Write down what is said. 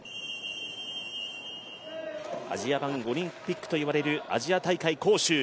アジア版オリンピックといわれるアジア大会・杭州。